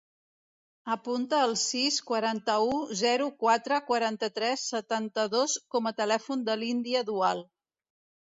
Apunta el sis, quaranta-u, zero, quatre, quaranta-tres, setanta-dos com a telèfon de l'Índia Dual.